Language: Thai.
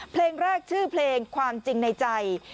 เพลงแรกชื่อเพลงความจริงในใจ